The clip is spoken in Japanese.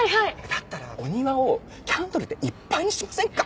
だったらお庭をキャンドルでいっぱいにしませんか？